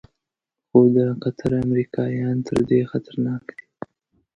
خو د قطر امریکایان تر دې خطرناک دي.